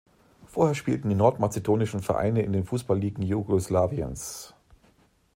Vorher spielten die nordmazedonischen Vereine in den Fußballligen Jugoslawiens.